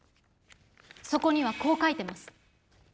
そこにはこう書いてます。